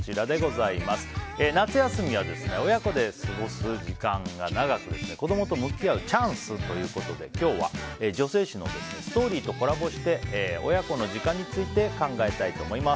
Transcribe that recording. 夏休みは親子で過ごす時間が長く子供と向き合うチャンスということで今日は、女性誌の「ＳＴＯＲＹ」とコラボして親子の時間について考えたいと思います。